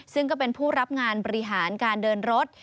ซึ่งก็เป็นผู้รับงานบริหารการเดินรถ